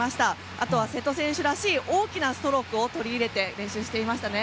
あとは瀬戸選手らしい大きなストロークを取り入れて練習してましたね。